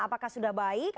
apakah sudah baik